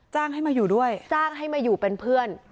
จ้างให้มาอยู่ด้วยจ้างให้มาอยู่เป็นเพื่อน